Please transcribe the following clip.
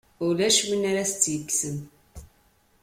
Ulac win ara s-tt-yekksen.